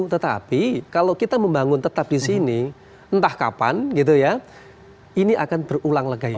tetapi kalau kita membangun tetap di sini entah kapan ini akan berulang lega itu